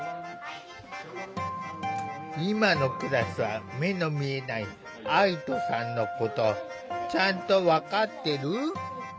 今のクラスは目の見えない愛土さんのことちゃんと分かってる？